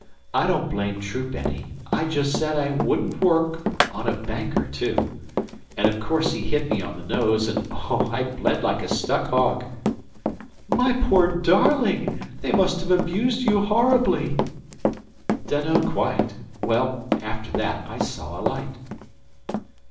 I don't blame Troop any. I just said I wouldn't work on a Banker, too and of course he hit me on the nose, and oh! I bled like a stuck hog." "My poor darling! They must have abused you horribly." "Dunno quite. Well, after that, I saw a light."